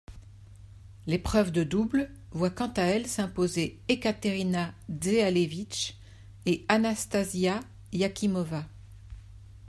L'épreuve de double voit quant à elle s'imposer Ekaterina Dzehalevich et Anastasiya Yakimova.